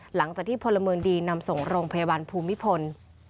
หลังจากที่พลเมืองดีนำส่งโรงพยาบาลภูมิพล